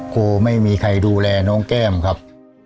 ครูไม่มีใครดูแลน้องแก้มครับ